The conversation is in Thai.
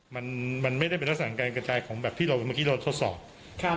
มันมันไม่ได้เป็นลักษณะของการกระจายของแบบที่เราเมื่อกี้เราทดสอบครับ